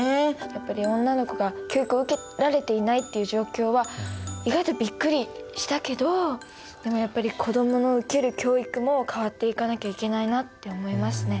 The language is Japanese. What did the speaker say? やっぱり女の子が教育を受けられていないっていう状況は意外とびっくりしたけどでもやっぱり子どもの受ける教育も変わっていかなきゃいけないなって思いますね。